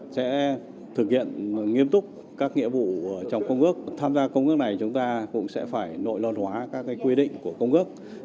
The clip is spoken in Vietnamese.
chúng ta sẽ thực hiện nghiêm túc các nghĩa vụ trong công ước tham gia công ước này chúng ta cũng sẽ phải nội đoàn hóa các quy định của công ước